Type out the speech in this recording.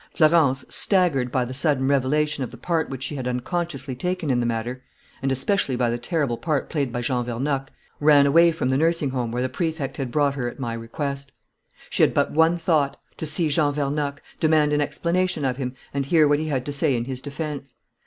"Florence, staggered by the sudden revelation of the part which she had unconsciously taken in the matter, and especially by the terrible part played by Jean Vernocq, ran away from the nursing home where the Prefect had brought her at my request. She had but one thought: to see Jean Vernocq, demand an explanation of him, and hear what he had to say in his defence.